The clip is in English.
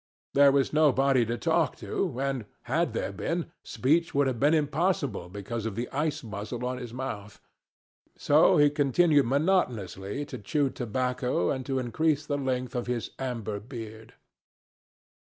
There was nobody to talk to and, had there been, speech would have been impossible because of the ice muzzle on his mouth. So he continued monotonously to chew tobacco and to increase the length of his amber beard.